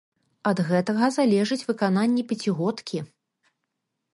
Ад гэтага залежыць выкананне пяцігодкі.